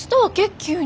急に。